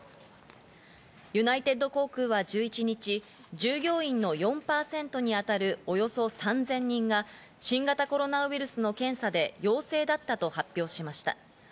ユナイテッド航空は１１日、従業員の４％に当たるおよそ３０００人が新型コロナウイルスの検査で陽性だったと発表しました。